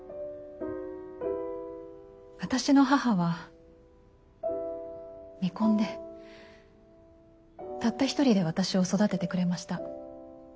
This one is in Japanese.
私の母は未婚でたった一人で私を育ててくれました。